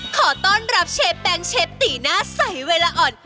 ขอต้อนรับเชแปงเชฟตีหน้าใสเวลาอ่อน